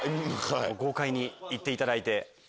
豪快に行っていただいて。